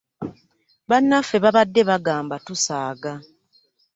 Bannaffe babadde bagamba tusaaga.